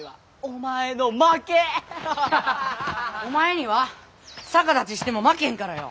お前には逆立ちしても負けんからよ！